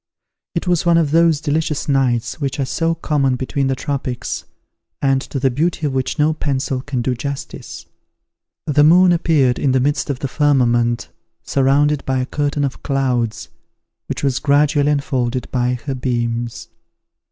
It was one of those delicious nights which are so common between the tropics, and to the beauty of which no pencil can do justice. The moon appeared in the midst of the firmament, surrounded by a curtain of clouds, which was gradually unfolded by her beams.